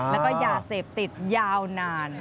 แล้วก็ยาเสพติดยาวนาน